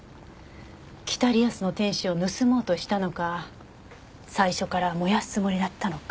『北リアスの天使』を盗もうとしたのか最初から燃やすつもりだったのか。